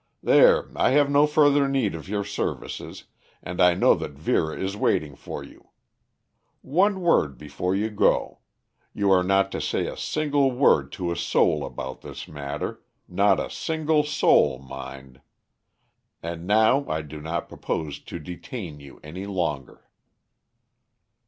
There, I have no further need of your services, and I know that Vera is waiting for you. One word before you go you are not to say a single word to a soul about this matter; not a single soul, mind. And now I do not propose to detain you any longer."